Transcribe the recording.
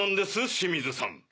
清水さん！